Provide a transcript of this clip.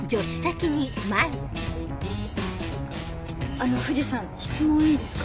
あの藤さん質問いいですか？